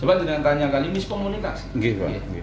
coba dengan tanya kali miskomunikasi